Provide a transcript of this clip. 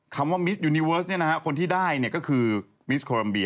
คำว่านี่นะฮะคนที่ได้ก็คือ